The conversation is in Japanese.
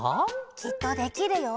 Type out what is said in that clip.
きっとできるよ。